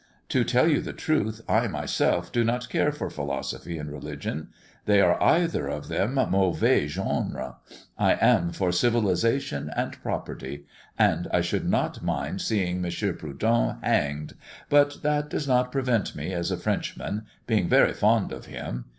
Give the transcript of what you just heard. To tell you the truth, I myself do not care for philosophy and religion; they are either of them mauvais genre. I am for civilisation and property; and I should not mind seeing M. Prudhon hanged, but that does not prevent me, as a Frenchman, being very fond of him.